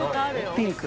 ピンク？